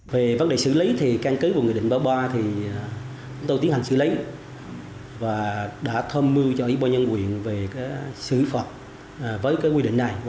về vấn đề xử lý cang kế bộ nguyên định ba mươi ba đã tiến hành xử lý và đã thông mưu cho ủy ban nhân huyện về xử phạt với quy định này